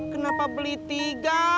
kenapa beli tiga